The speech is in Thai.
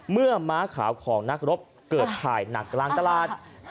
ม้าขาวของนักรบเกิดถ่ายหนักกลางตลาด